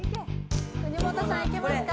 国本さんいけますか？